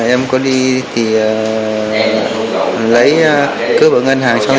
em có đi thì lấy cơm